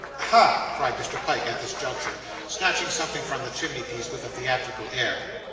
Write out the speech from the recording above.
'Hah!' cried Mr. Pyke at this juncture, snatching something from the chimney piece with a theatrical air.